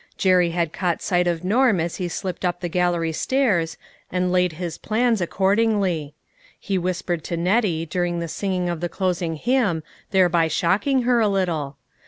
Jerry had caught sight of Norm as he slipped up the gallery stairs, and laid his plans accordingly. He whispered to Nettie during the singing of the closing hymn, thereby shocking her a little.